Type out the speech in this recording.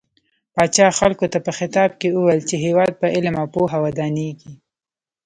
پاچا خلکو ته په خطاب کې وويل چې هيواد په علم او پوهه ودانيږي .